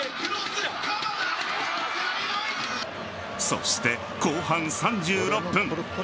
そして、後半３６分。